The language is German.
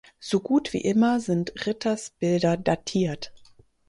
So gut wie immer sind Ritters Bilder datiert.